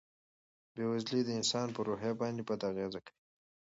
بېوزلي د انسان په روحیه باندې بد اغېز کوي.